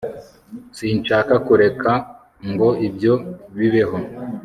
Sinshaka kureka ngo ibyo bibeho